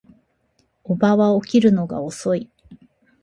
叔母は起きるのが遅い